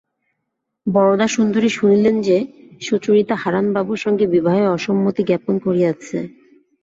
বরদাসুন্দরী শুনিলেন যে, সুচরিতা হারানবাবুর সঙ্গে বিবাহে অসম্মতি জ্ঞাপন করিয়াছে।